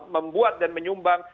membuat dan menyumbang